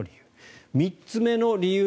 ２つ目の理由。